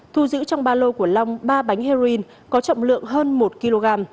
thu giữ trong ba lô của long ba bánh heroin có trọng lượng hơn một kg